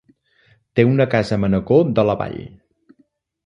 Té una casa a Mancor de la Vall.